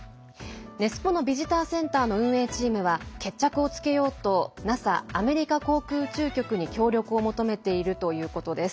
ネス湖のビジターセンターの運営チームは決着をつけようとＮＡＳＡ＝アメリカ航空宇宙局に協力を求めているということです。